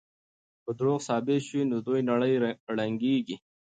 که دروغ ثابت شي نو د دوی نړۍ ړنګېږي.